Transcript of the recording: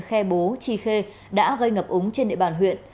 khe bố tri khê đã gây ngập úng trên địa bàn huyện